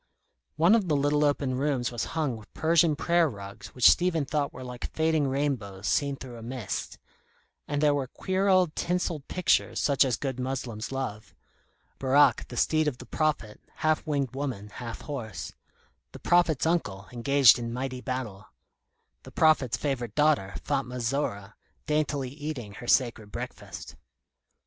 One of the little open rooms was hung with Persian prayer rugs which Stephen thought were like fading rainbows seen through a mist; and there were queer old tinselled pictures such as good Moslems love: Borak, the steed of the prophet, half winged woman, half horse; the Prophet's uncle engaged in mighty battle; the Prophet's favourite daughter, Fatma Zora, daintily eating her sacred breakfast.